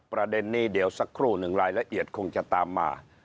ประเด็นนี้เดี๋ยวสักครู่หนึ่งรายละเอียดคงจะตามมา